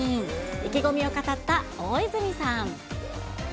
意気込みを語った大泉さん。